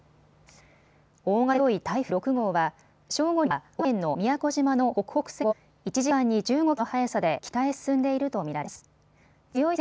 大型で強い台風６号は正午には沖縄県の宮古島の北北西の海上を１時間に１５キロの速さで北へ進んでいると見られます。